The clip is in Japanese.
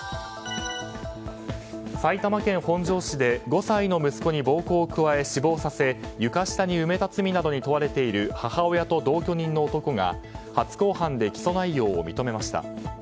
埼玉県本庄市で５歳の息子に暴行を加え死亡させ床下に埋めた罪などに問われている母親と同居人の男が初公判で起訴内容を認めました。